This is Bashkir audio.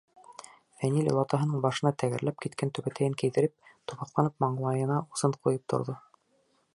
Фәнил олатаһының башына тәгәрләп киткән түбәтәйен кейҙереп, тубыҡланып маңлайына усын ҡуйып торҙо.